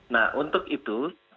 nah untuk itu